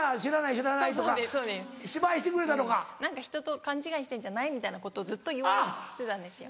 「ひとと勘違いしてんじゃない？」みたいなことをずっと言われてたんですよ。